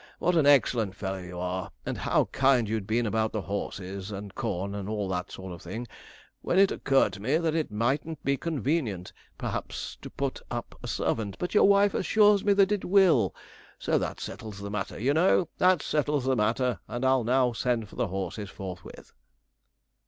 what an excellent fellow you are, and how kind you'd been about the horses and corn, and all that sort of thing, when it occurred to me that it mightn't be convenient, p'raps to put up a servant; but your wife assures me that it will; so that settles the matter, you know that settles the matter and I'll now send for the horses forthwith.'